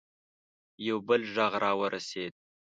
یو بل غږ راورسېد.